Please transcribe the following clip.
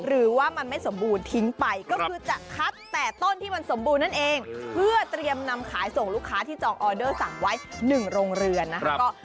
หรือว่ามันไม่สมบูรณทิ้งไปก็คือจะคัดแต่ต้นที่มันสมบูรณ์นั่นเองเพื่อเตรียมนำขายส่งลูกค้าที่จองออเดอร์สั่งไว้๑โรงเรือนนะคะ